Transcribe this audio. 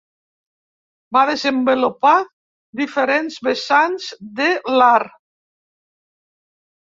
Va desenvolupar diferents vessants de l'art.